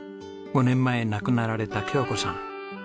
５年前亡くなられた京子さん。